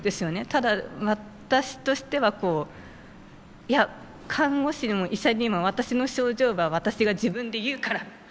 ただ私としてはいや看護師にも医者にも私の症状は私が自分で言うからっていう。